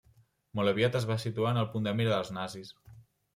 Molt aviat es va situar en el punt de mira dels nazis.